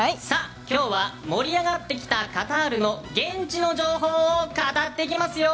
今日は盛り上がってきたカタールの現地の情報を語っていきますよ！